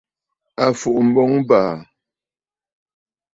À fùʼu mboŋ ɨ̀bàà!